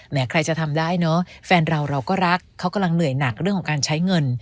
ใครจะทำได้เนอะแฟนเราเราก็รักเขากำลังเหนื่อยหนักเรื่องของการใช้เงิน